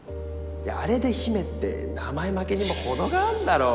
あれで「ヒメ」って名前負けにも程があんだろ